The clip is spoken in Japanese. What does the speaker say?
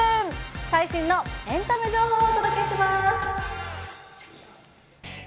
最新のエンタメ情報をお伝えします。